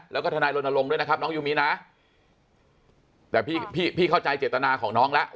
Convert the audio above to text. แล้วก็ทนายรณรงค์ด้วยนะครับน้องยูมินะแต่พี่พี่เข้าใจเจตนาของน้องแล้ว